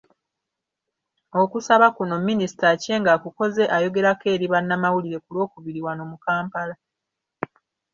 Okusaba kuno, Minisita Aceng akukoze ayogerako eri bannamawulire ku Lwokubiri wano mu Kampala.